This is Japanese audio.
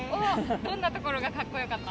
どんなところがかっこよかった？